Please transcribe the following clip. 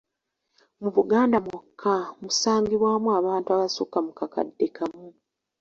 Mu Buganda mwokka, musangibwaamu abantu abasukka mu kakadde kamu.